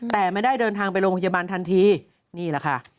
แต่ไม่ได้เดินทางไปโรงพยาบาลทันทีนี่แหละค่ะ